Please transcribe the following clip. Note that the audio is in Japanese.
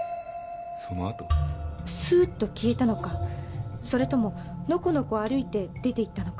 すーっと消えたのかそれとものこのこ歩いて出て行ったのか。